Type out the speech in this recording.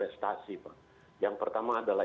prestasi pak yang pertama adalah